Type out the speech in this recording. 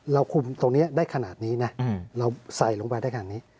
คุมตรงนี้ได้ขนาดนี้นะเราใส่ลงไปได้ขนาดนี้